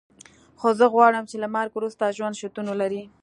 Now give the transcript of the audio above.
خو زه غواړم چې له مرګ وروسته ژوند شتون ولري